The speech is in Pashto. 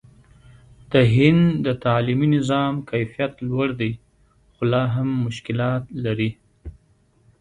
د هند د تعلیمي نظام کیفیت لوړ دی، خو لا هم مشکلات لري.